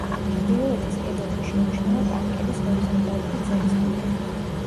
ჩრდილოეთის კედელში შეიმჩნევა კანკელის ჰორიზონტალური ძელის ბუდე.